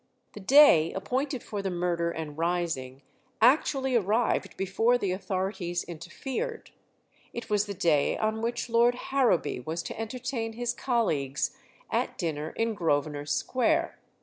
The day appointed for the murder and rising actually arrived before the authorities interfered. It was the day on which Lord Harrowby was to entertain his colleagues at dinner in Grosvenor Square.